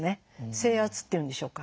制圧っていうんでしょうか。